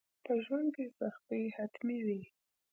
په ژوند کي سختي حتمي وي.